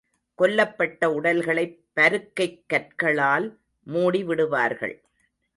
கொல்லப்பட்ட உடல்களைப் பருக்கைக் கற்களால் மூடிவிடுவார்கள்.